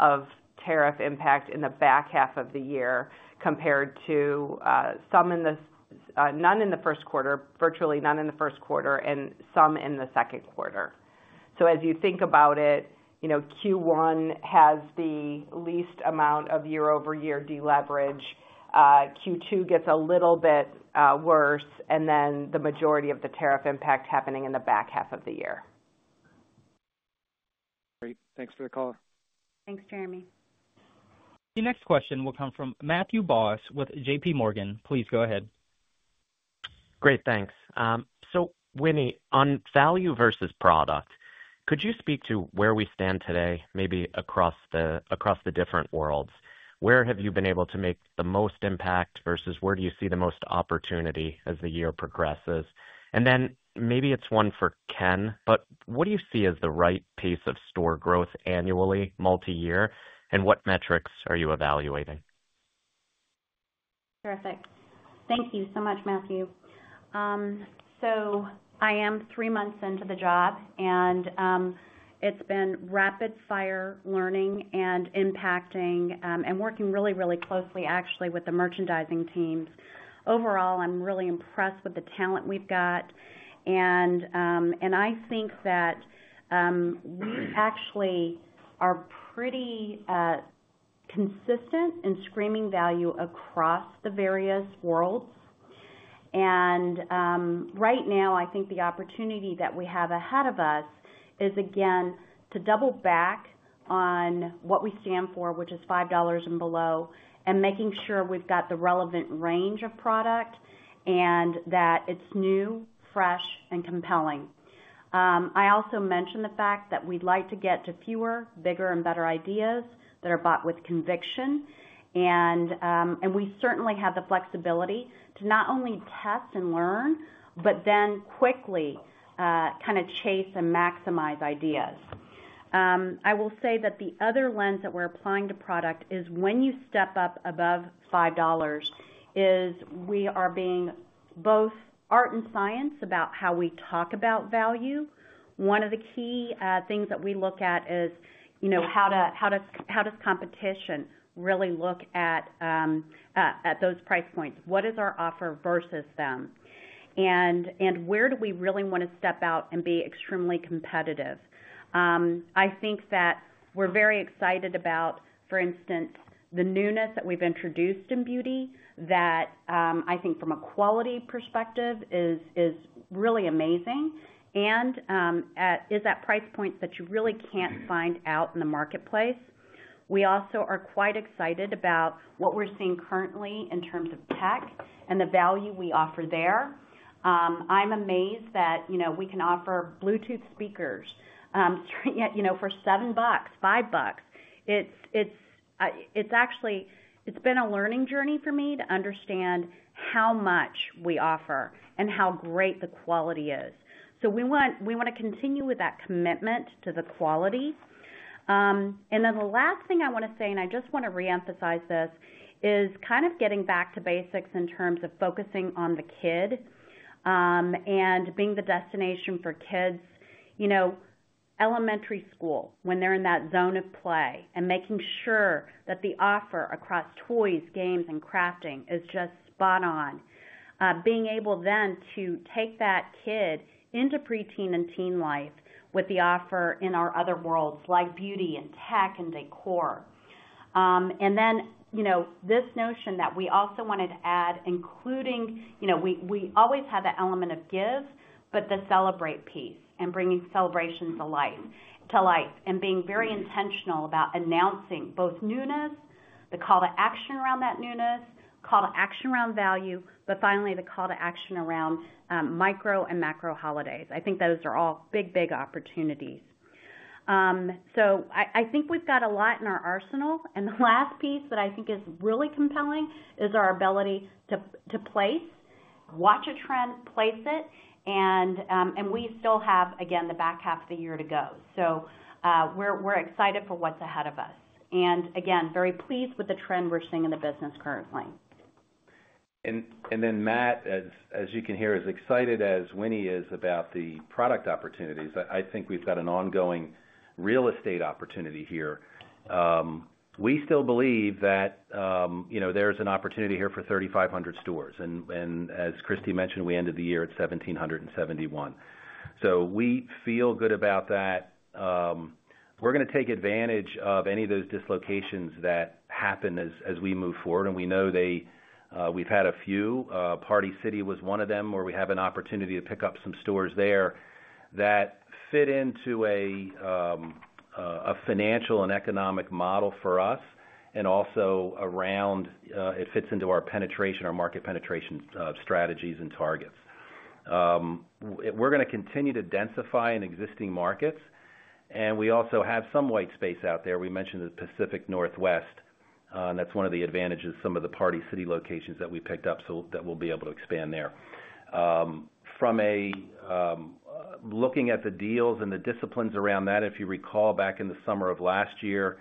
of tariff impact in the back half of the year compared to virtually none in the first quarter, and some in the second quarter. As you think about it, Q1 has the least amount of year-over-year deleverage. Q2 gets a little bit worse, and then the majority of the tariff impact happening in the back half of the year. Great. Thanks for the call. Thanks, Jeremy. The next question will come from Matthew Boss with JPMorgan. Please go ahead. Great. Thanks. So Winnie, on value versus product, could you speak to where we stand today, maybe across the different worlds? Where have you been able to make the most impact versus where do you see the most opportunity as the year progresses? Maybe it is one for Ken, but what do you see as the right pace of store growth annually, multi-year, and what metrics are you evaluating? Terrific. Thank you so much, Matthew. I am three months into the job, and it has been rapid-fire learning and impacting and working really, really closely, actually, with the merchandising teams. Overall, I am really impressed with the talent we have got. I think that we actually are pretty consistent in screaming value across the various worlds. Right now, I think the opportunity that we have ahead of us is, again, to double back on what we stand for, which is $5 and below, and making sure we have got the relevant range of product and that it is new, fresh, and compelling. I also mentioned the fact that we would like to get to fewer, bigger, and better ideas that are bought with conviction. We certainly have the flexibility to not only test and learn, but then quickly kind of chase and maximize ideas. I will say that the other lens that we're applying to product is when you step up above $5, we are being both art and science about how we talk about value. One of the key things that we look at is how does competition really look at those price points? What is our offer versus them? Where do we really want to step out and be extremely competitive? I think that we're very excited about, for instance, the newness that we've introduced in beauty that I think from a quality perspective is really amazing and is at price points that you really can't find out in the marketplace. We also are quite excited about what we're seeing currently in terms of tech and the value we offer there. I'm amazed that we can offer Bluetooth speakers for $7, $5. It's actually been a learning journey for me to understand how much we offer and how great the quality is. We want to continue with that commitment to the quality. The last thing I want to say, and I just want to reemphasize this, is kind of getting back to basics in terms of focusing on the kid and being the destination for kids, elementary school, when they're in that zone of play, and making sure that the offer across toys, games, and crafting is just spot on. Being able then to take that kid into preteen and teen life with the offer in our other worlds like beauty and tech and decor. This notion that we also wanted to add, including we always have the element of give, but the celebrate piece and bringing celebrations to life and being very intentional about announcing both newness, the call to action around that newness, call to action around value, but finally, the call to action around micro and macro holidays. I think those are all big, big opportunities. I think we've got a lot in our arsenal. The last piece that I think is really compelling is our ability to place, watch a trend, place it. We still have, again, the back half of the year to go. We're excited for what's ahead of us. Again, very pleased with the trend we're seeing in the business currently. Matt, as you can hear, as excited as Winnie is about the product opportunities, I think we've got an ongoing real estate opportunity here. We still believe that there's an opportunity here for 3,500 stores. As Kristy mentioned, we ended the year at 1,771. We feel good about that. We're going to take advantage of any of those dislocations that happen as we move forward. We know we've had a few. Party City was one of them where we have an opportunity to pick up some stores there that fit into a financial and economic model for us and also around it fits into our penetration, our market penetration strategies and targets. We're going to continue to densify in existing markets. We also have some white space out there. We mentioned the Pacific Northwest. That is one of the advantages, some of the Party City locations that we picked up that we will be able to expand there. From looking at the deals and the disciplines around that, if you recall, back in the summer of last year,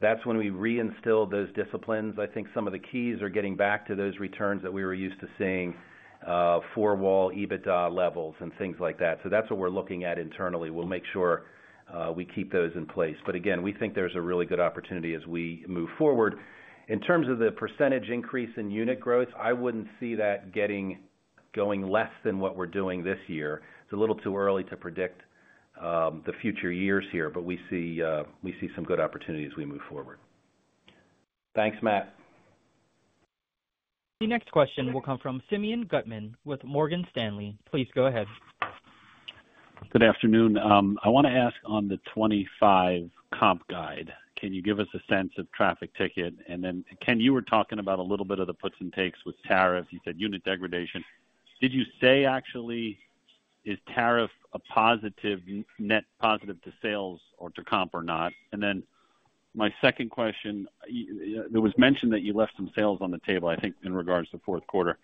that is when we reinstilled those disciplines. I think some of the keys are getting back to those returns that we were used to seeing, four-wall, EBITDA levels, and things like that. That is what we are looking at internally. We will make sure we keep those in place. Again, we think there is a really good opportunity as we move forward. In terms of the percentage increase in unit growth, I would not see that going less than what we are doing this year. It is a little too early to predict the future years here, but we see some good opportunities as we move forward. Thanks, Matt. The next question will come from Simeon Gutman with Morgan Stanley. Please go ahead. Good afternoon. I want to ask on the 25 comp guide. Can you give us a sense of traffic ticket? And then Ken, you were talking about a little bit of the puts and takes with tariffs. You said unit degradation. Did you say actually is tariff a positive net positive to sales or to comp or not? And then my second question, there was mention that you left some sales on the table, I think, in regards to fourth quarter.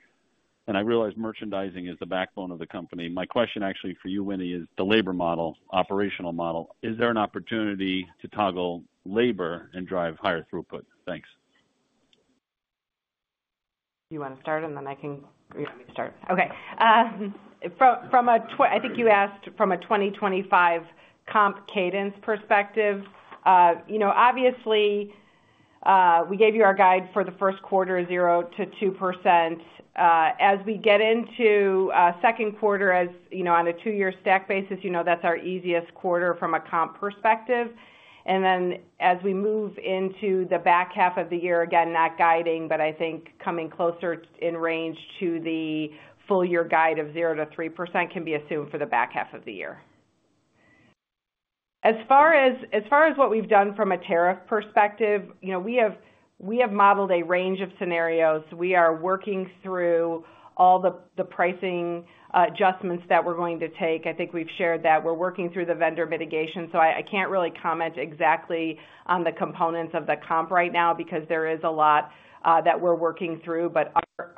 And I realize merchandising is the backbone of the company. My question actually for you, Winnie, is the labor model, operational model. Is there an opportunity to toggle labor and drive higher throughput? Thanks. Do you want to start, and then I can let me start? Okay. I think you asked from a 2025 comp cadence perspective. Obviously, we gave you our guide for the first quarter, 0%-2%. As we get into second quarter, on a two-year stack basis, that's our easiest quarter from a comp perspective. As we move into the back half of the year, again, not guiding, but I think coming closer in range to the full year guide of 0%-3% can be assumed for the back half of the year. As far as what we've done from a tariff perspective, we have modeled a range of scenarios. We are working through all the pricing adjustments that we're going to take. I think we've shared that. We're working through the vendor mitigation. I can't really comment exactly on the components of the comp right now because there is a lot that we're working through.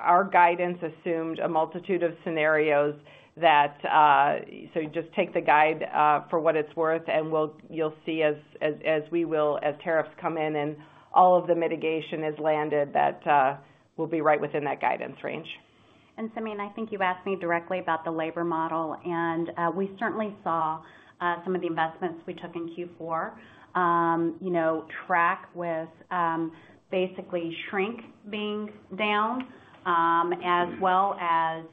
Our guidance assumed a multitude of scenarios. Just take the guide for what it's worth, and you'll see as we will, as tariffs come in and all of the mitigation is landed, that we'll be right within that guidance range. Simeon, I think you asked me directly about the labor model. We certainly saw some of the investments we took in Q4 track with basically shrink being down, as well as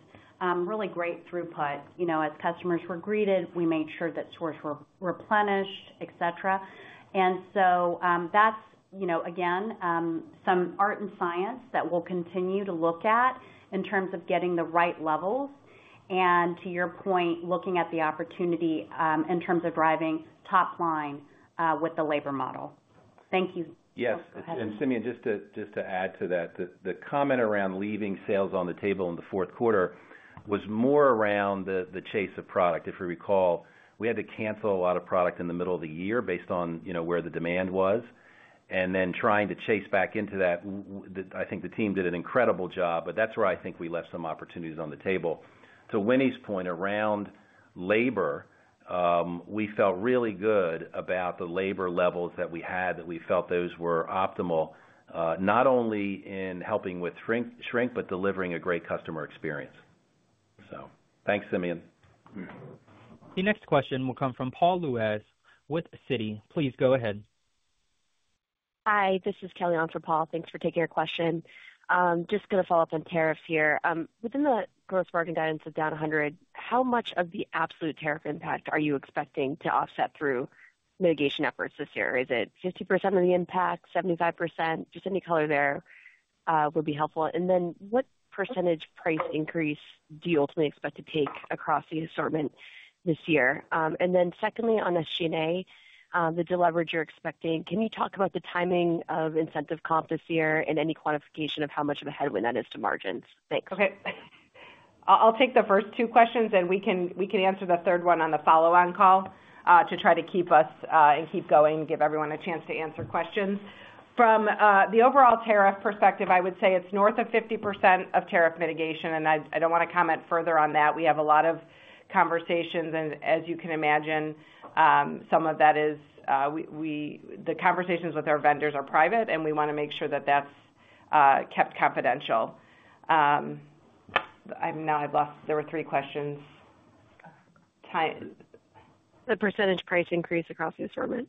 really great throughput. As customers were greeted, we made sure that stores were replenished, etc. That's, again, some art and science that we'll continue to look at in terms of getting the right levels. To your point, looking at the opportunity in terms of driving top line with the labor model. Thank you. Yes. Simeon, just to add to that, the comment around leaving sales on the table in the fourth quarter was more around the chase of product. If you recall, we had to cancel a lot of product in the middle of the year based on where the demand was. Trying to chase back into that, I think the team did an incredible job. That is where I think we left some opportunities on the table. To Winnie's point around labor, we felt really good about the labor levels that we had, that we felt those were optimal, not only in helping with shrink, but delivering a great customer experience. Thanks, Simeon. The next question will come from Paul Lejuez with Citigroup. Please go ahead. Hi. This is Kelly on for Paul. Thanks for taking your question. Just going to follow up on tariffs here. Within the gross margin guidance of down 100, how much of the absolute tariff impact are you expecting to offset through mitigation efforts this year? Is it 50% of the impact, 75%? Just any color there would be helpful. What percentage price increase do you ultimately expect to take across the assortment this year? Secondly, on SG&A, the deleverage you're expecting, can you talk about the timing of incentive comp this year and any quantification of how much of a headwind that is to margins? Thanks. Okay. I'll take the first two questions, and we can answer the third one on the follow-on call to try to keep us and keep going and give everyone a chance to answer questions. From the overall tariff perspective, I would say it's north of 50% of tariff mitigation. I don't want to comment further on that. We have a lot of conversations. As you can imagine, some of that is the conversations with our vendors are private, and we want to make sure that that's kept confidential. Now I've lost there were three questions. The percentage price increase across the assortment.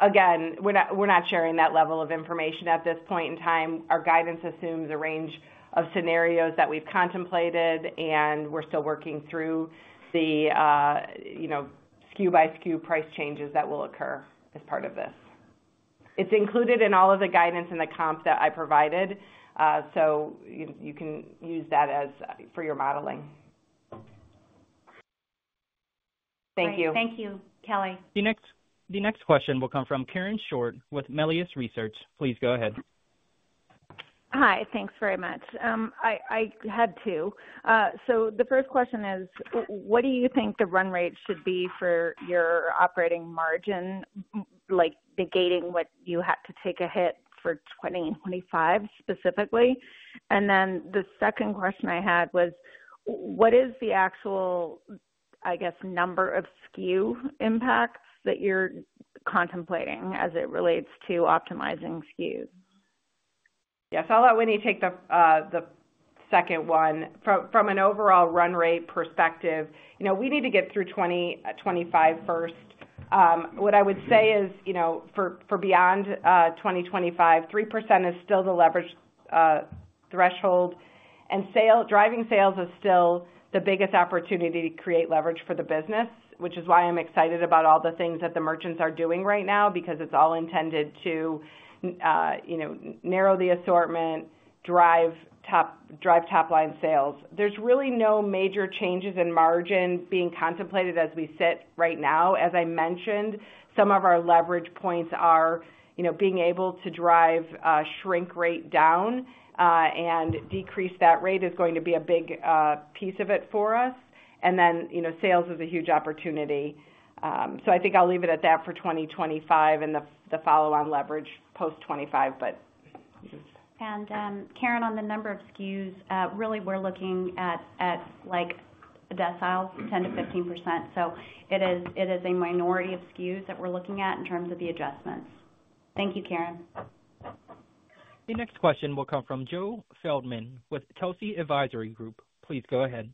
Again, we're not sharing that level of information at this point in time. Our guidance assumes a range of scenarios that we've contemplated, and we're still working through the SKU-by-SKU price changes that will occur as part of this. It's included in all of the guidance and the comp that I provided. You can use that for your modeling. Thank you. Thank you, Kelly. The next question will come from Karen Short with Melius Research. Please go ahead. Hi. Thanks very much. I had two. The first question is, what do you think the run rate should be for your operating margin, negating what you had to take a hit for 2025 specifically? The second question I had was, what is the actual, I guess, number of SKU impacts that you're contemplating as it relates to optimizing SKUs? Yeah. I'll let Winnie take the second one. From an overall run rate perspective, we need to get through 2025 first. What I would say is for beyond 2025, 3% is still the leverage threshold. Driving sales is still the biggest opportunity to create leverage for the business, which is why I'm excited about all the things that the merchants are doing right now because it's all intended to narrow the assortment, drive top-line sales. There's really no major changes in margin being contemplated as we sit right now. As I mentioned, some of our leverage points are being able to drive shrink rate down and decrease that rate is going to be a big piece of it for us. Sales is a huge opportunity. I think I'll leave it at that for 2025 and the follow-on leverage post 2025. Karen, on the number of SKUs, really we're looking at deciles, 10%-15%. It is a minority of SKUs that we're looking at in terms of the adjustments. Thank you, Karen. The next question will come from Joe Feldman with Telsey Advisory Group. Please go ahead.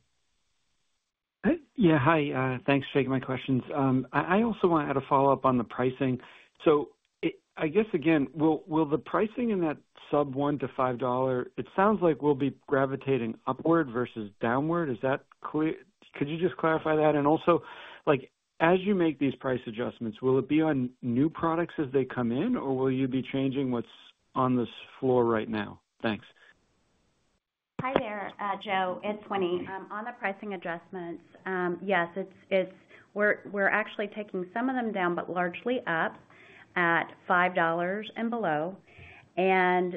Yeah. Hi. Thanks for taking my questions. I also want to add a follow-up on the pricing. I guess, again, will the pricing in that sub-$1-$5, it sounds like we'll be gravitating upward versus downward. Could you just clarify that? Also, as you make these price adjustments, will it be on new products as they come in, or will you be changing what's on this floor right now? Thanks. Hi there, Joe. It's Winnie. On the pricing adjustments, yes, we're actually taking some of them down, but largely up at $5 and below. In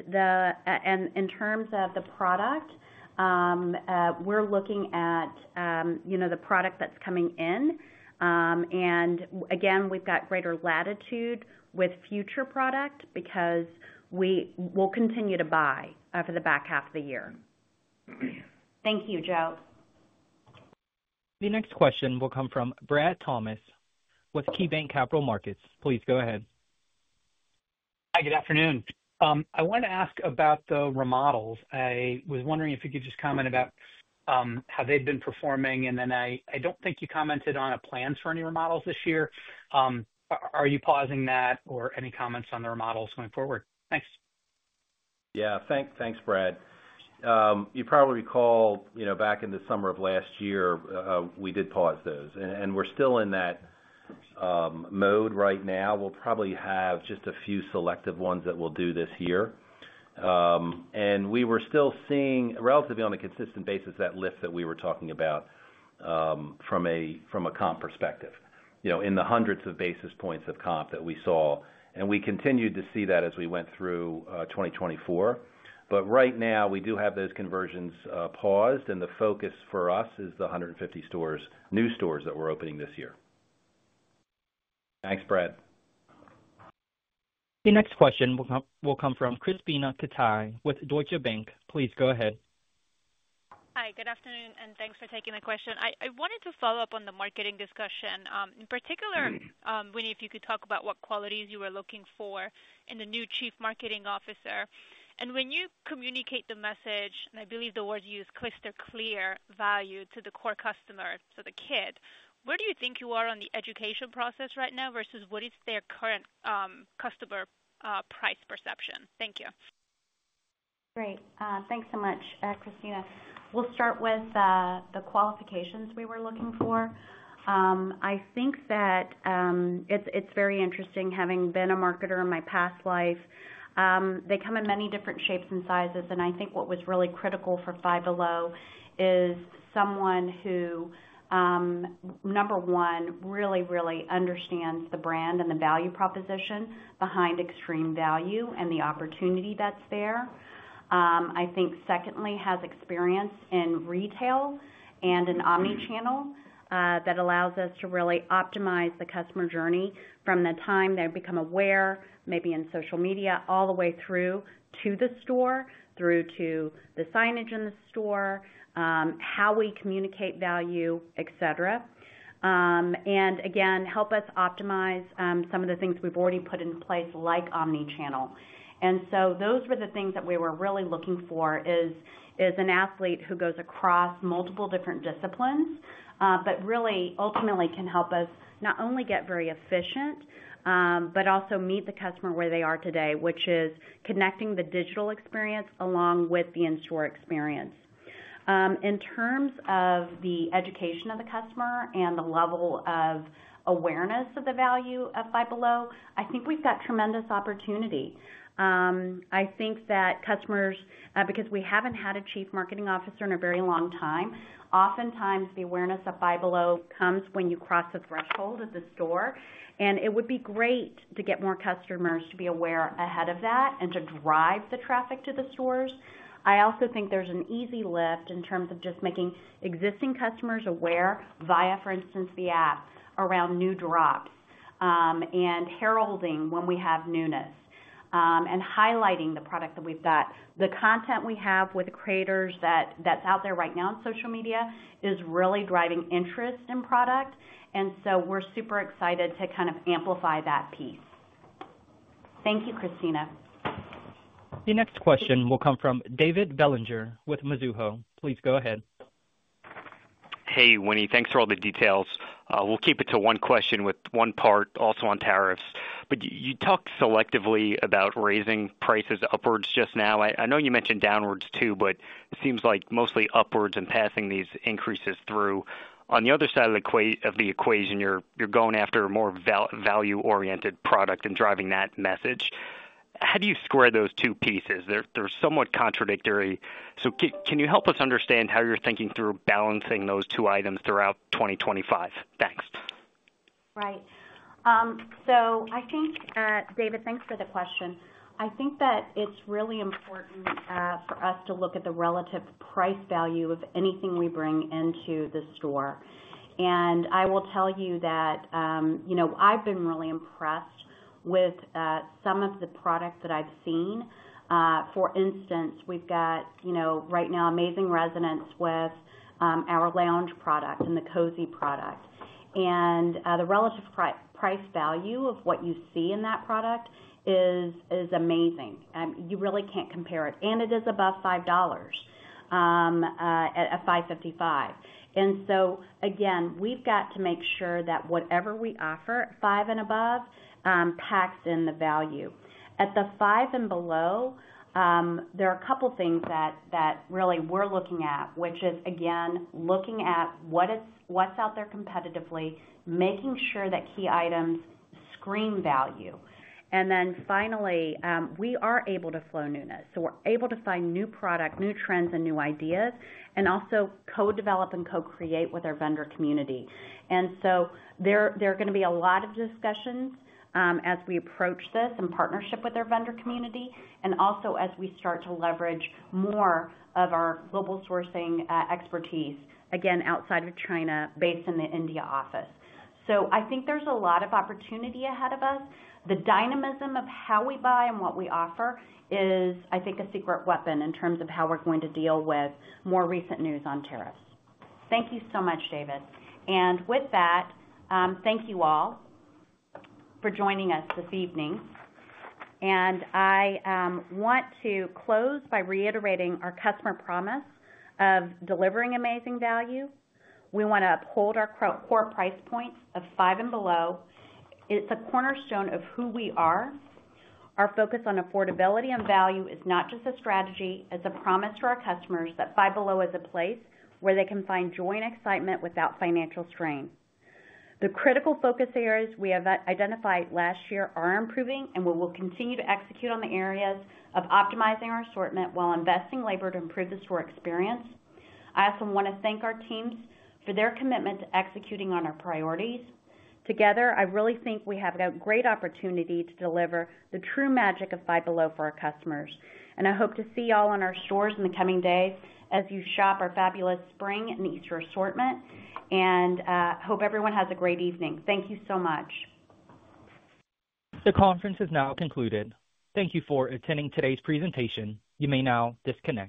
terms of the product, we're looking at the product that's coming in. Again, we've got greater latitude with future product because we'll continue to buy for the back half of the year. Thank you, Joe. The next question will come from Brad Thomas with KeyBanc Capital Markets. Please go ahead. Hi. Good afternoon. I wanted to ask about the remodels. I was wondering if you could just comment about how they've been performing. I don't think you commented on a plan for any remodels this year. Are you pausing that or any comments on the remodels going forward? Thanks. Yeah. Thanks, Brad. You probably recall back in the summer of last year, we did pause those. We are still in that mode right now. We'll probably have just a few selective ones that we'll do this year. We were still seeing relatively on a consistent basis that lift that we were talking about from a comp perspective in the hundreds of basis points of comp that we saw. We continued to see that as we went through 2024. Right now, we do have those conversions paused. The focus for us is the 150 new stores that we're opening this year. Thanks, Brad. The next question will come from Krisztina Katai with Deutsche Bank. Please go ahead. Hi. Good afternoon. Thanks for taking the question. I wanted to follow up on the marketing discussion. In particular, Winnie, if you could talk about what qualities you were looking for in the new Chief Marketing Officer. When you communicate the message, and I believe the words you use, crystal clear value to the core customer, so the kid, where do you think you are on the education process right now versus what is their current customer price perception? Thank you. Great. Thanks so much, Krisztina. We'll start with the qualifications we were looking for. I think that it's very interesting having been a marketer in my past life. They come in many different shapes and sizes. I think what was really critical for Five Below is someone who, number one, really, really understands the brand and the value proposition behind extreme value and the opportunity that's there. I think secondly, has experience in retail and in omnichannel that allows us to really optimize the customer journey from the time they become aware, maybe in social media, all the way through to the store, through to the signage in the store, how we communicate value, etc. Again, help us optimize some of the things we've already put in place like omnichannel. Those were the things that we were really looking for, is an athlete who goes across multiple different disciplines, but really ultimately can help us not only get very efficient, but also meet the customer where they are today, which is connecting the digital experience along with the in-store experience. In terms of the education of the customer and the level of awareness of the value of Five Below, I think we've got tremendous opportunity. I think that customers, because we have not had a Chief Marketing Officer in a very long time, oftentimes the awareness of Five Below comes when you cross the threshold of the store. It would be great to get more customers to be aware ahead of that and to drive the traffic to the stores. I also think there is an easy lift in terms of just making existing customers aware via, for instance, the app around new drops and heralding when we have newness and highlighting the product that we have got. The content we have with creators that is out there right now on social media is really driving interest in product. We are super excited to kind of amplify that piece. Thank you, Kristina. The next question will come from David Bellinger with Mizuho. Please go ahead. Hey, Winnie. Thanks for all the details. We'll keep it to one question with one part also on tariffs. You talked selectively about raising prices upwards just now. I know you mentioned downwards too, but it seems like mostly upwards and passing these increases through. On the other side of the equation, you're going after a more value-oriented product and driving that message. How do you square those two pieces? They're somewhat contradictory. Can you help us understand how you're thinking through balancing those two items throughout 2025? Thanks. Right. I think, David, thanks for the question. I think that it's really important for us to look at the relative price value of anything we bring into the store. I will tell you that I've been really impressed with some of the product that I've seen. For instance, we've got right now amazing resonance with our lounge product and the cozy product. The relative price value of what you see in that product is amazing. You really can't compare it. It is above $5 at $5.55. We have to make sure that whatever we offer, five and above, packs in the value. At the five and below, there are a couple of things that really we're looking at, which is, again, looking at what's out there competitively, making sure that key items screen value. Finally, we are able to flow newness. We are able to find new product, new trends, and new ideas, and also co-develop and co-create with our vendor community. There are going to be a lot of discussions as we approach this in partnership with our vendor community, and also as we start to leverage more of our global sourcing expertise, again, outside of China, based in the India office. I think there's a lot of opportunity ahead of us. The dynamism of how we buy and what we offer is, I think, a secret weapon in terms of how we're going to deal with more recent news on tariffs. Thank you so much, David. With that, thank you all for joining us this evening. I want to close by reiterating our customer promise of delivering amazing value. We want to uphold our core price points of five and below. It's a cornerstone of who we are. Our focus on affordability and value is not just a strategy. It's a promise to our customers that Five Below is a place where they can find joy and excitement without financial strain. The critical focus areas we have identified last year are improving, and we will continue to execute on the areas of optimizing our assortment while investing labor to improve the store experience. I also want to thank our teams for their commitment to executing on our priorities. Together, I really think we have a great opportunity to deliver the true magic of Five Below for our customers. I hope to see you all in our stores in the coming days as you shop our fabulous spring and Easter assortment. I hope everyone has a great evening. Thank you so much. The conference is now concluded. Thank you for attending today's presentation. You may now disconnect.